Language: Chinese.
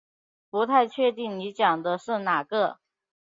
不太确定你讲的是哪个